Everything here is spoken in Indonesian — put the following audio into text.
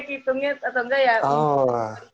kehitungannya atau enggak ya oh